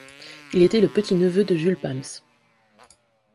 Il était le petit-neveu de Jules Pams.